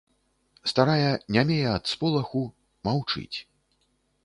Старая нямее ад сполаху, маўчыць.